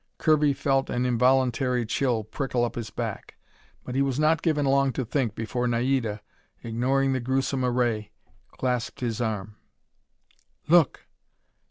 Kirby felt an involuntary chill prickle up his back. But he was not given long to think before Naida, ignoring the gruesome array, clasped his arm. "Look!